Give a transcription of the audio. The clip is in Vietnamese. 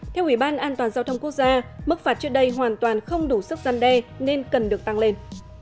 theo ủy ban an toàn giao thông quốc gia mức phạt trước đây hoàn toàn không đủ sức gian đe nên cần được tăng lên